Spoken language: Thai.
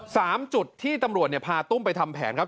จุดที่ตำรวจเนี่ยพาตุ้มไปทำแผนครับ